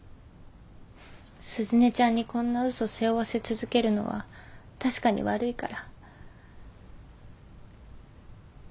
鈴音ちゃんにこんな嘘背負わせ続けるのは確かに悪いから。